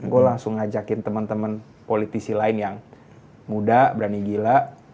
gue langsung ngajakin teman teman politisi lain yang muda berani gila